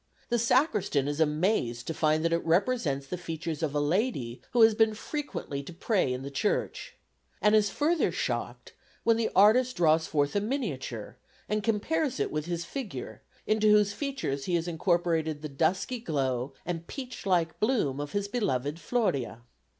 The Sacristan is amazed to find that it represents the features of a lady who has been frequently to pray in the church, and is further shocked when the artist draws forth a miniature and compares it with his figure, into whose features he has incorporated the dusky glow and peach like bloom of his beloved Floria.